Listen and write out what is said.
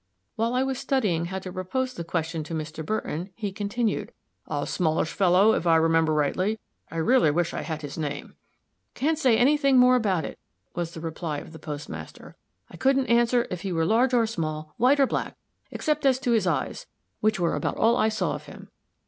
While I was studying how to propose the question to Mr. Burton, he continued, "A smallish fellow, if I remember rightly? I really wish I had his name." "Can't say any thing more about it," was the reply of the postmaster. "I couldn't answer if he were large or small, white or black, except as to his eyes, which were about all I saw of him.